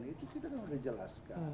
itu kita harus dijelaskan